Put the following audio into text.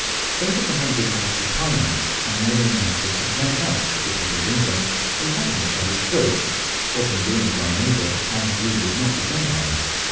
Think of the hundred Acts of Parliament annually enacted to prevent us, the people of England, from cutting each other's throats, or from doing to our neighbour as we would not be done by.